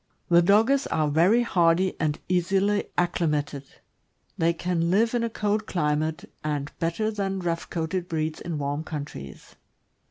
The Dogges are very hardy and easily acclimated; they can live in a cold climate, and bet ter than rough coated breeds in warm countries.